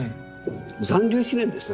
残留思念ですな。